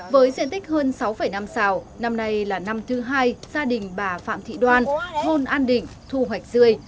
với diện tích hơn sáu năm xào năm nay là năm thứ hai gia đình bà phạm thị đoan thôn an định thu hoạch dươi